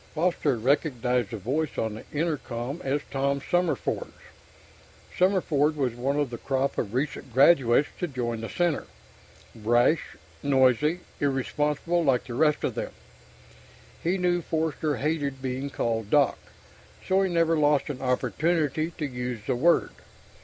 Forster recognized the voice on the intercom as Tom Summerford's. Summerford was one of the crop of recent graduates to join the Center brash, noisy, irresponsible like the rest of them. He knew Forster hated being called "Doc," so he never lost an opportunity to use the word.